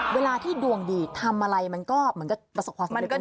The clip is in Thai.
เวลาที่ดวงดีทำอะไรมันก็ประสบความสำเร็จทั้งหมด